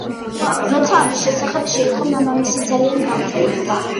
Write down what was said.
როცა ამის შესახებ შეიტყო, მამამისი ძალიან დამწუხრდა.